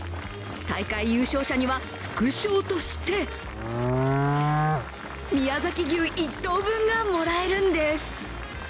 大会優勝者には副賞として宮崎牛１頭分がもらえるんです。